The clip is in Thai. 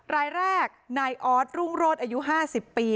รายแรกนายออสรุ่งโรศอายุ๕๐ปี